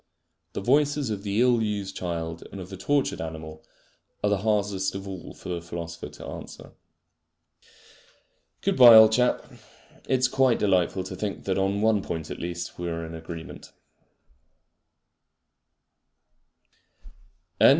The voices of the ill used child and of the tortured animal are the hardest of all for the philosopher to answer. Good bye, old chap! It is quite delightful to think that on one point at least we are in agreement.